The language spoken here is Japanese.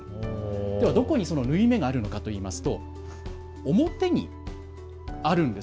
ではどこにその縫い目があるのかといいますと表にあるんです。